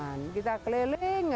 saya bertobatkan di discussing chat